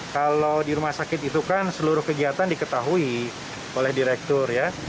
kalau di rumah sakit itu kan seluruh kegiatan diketahui oleh direktur ya